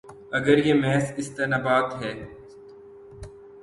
اگر یہ محض استنباط ہے۔